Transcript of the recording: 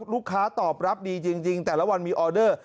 ลูกค้าตอบรับดีจริงแต่ละวันมีออเดอร์